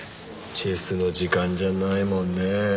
チェスの時間じゃないもんね。